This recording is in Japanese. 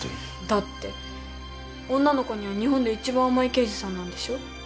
だって女の子には日本で一番甘い刑事さんなんでしょ？